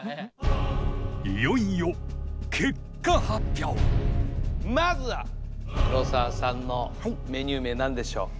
いよいよ結果発表まずは黒沢さんのメニュー名何でしょう。